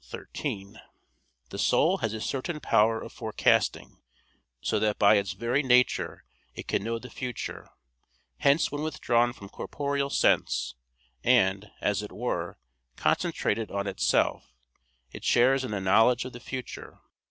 13]), the soul has a certain power of forecasting, so that by its very nature it can know the future; hence when withdrawn from corporeal sense, and, as it were, concentrated on itself, it shares in the knowledge of the future.